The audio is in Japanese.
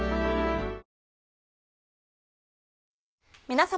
皆様。